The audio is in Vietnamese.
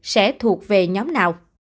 sẽ thuộc về nhóm nào